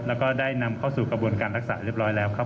แล้วก็ได้นำเข้าสู่กระบวนการรักษาเรียบร้อยแล้วครับ